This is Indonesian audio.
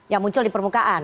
yang muncul di permukaan